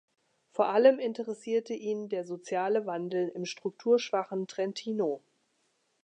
Vor allem interessierte ihn der soziale Wandel im strukturschwachen Trentino.